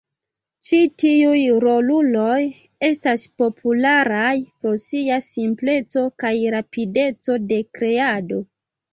Ĉi tiuj roluloj estas popularaj pro sia simpleco kaj rapideco de kreado.